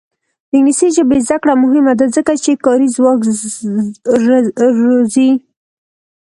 د انګلیسي ژبې زده کړه مهمه ده ځکه چې کاري ځواک روزي.